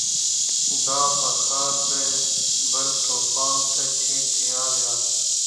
دا په کار ده بل توپان ته چي تیار یاست